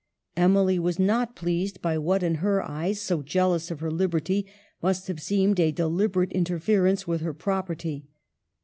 Emily was not pleased by what in her eyes, so jealous of her liberty, must have seemed a deliberate interference with her prop erty.